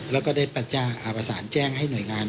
แล้วก็ได้ปัจจ้าอาบสารแจ้งให้หน่วยงาน